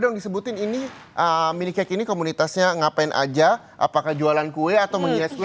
dong disebutin ini mini kayak gini komunitasnya ngapain aja apakah jualan kue atau menggias kue